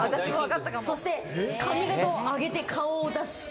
そして、髪形を上げて顔を出す。